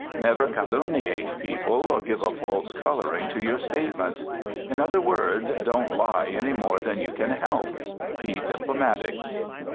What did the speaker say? Never calumniate people, or give a false coloring to your statements. In other words, don't lie any more than you can help. Be diplomatic.